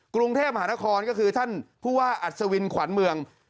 กรุงเทพมหานครก็คือท่านผู้ว่าอัศวินขวัญเมือง